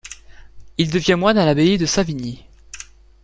Il devient moine à l'abbaye de Savigny.